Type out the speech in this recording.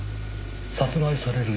殺害される